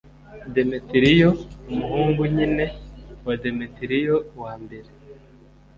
demetiriyo, umuhungu nyine wa demetiriyo wa mbere